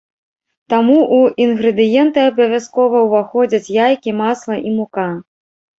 Таму ў інгрэдыенты абавязкова ўваходзяць яйкі, масла і мука.